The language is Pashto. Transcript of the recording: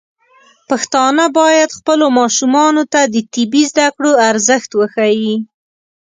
پښتانه بايد خپلو ماشومانو ته د طبي زده کړو ارزښت وښيي.